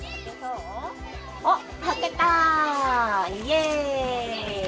おはけたイエーイ！